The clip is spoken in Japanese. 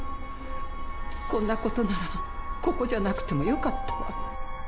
こんな事ならここじゃなくてもよかったわ。